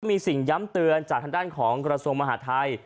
มีสิ่งย้ำเตือนจากทางด้านของกระทรวงมหาทัย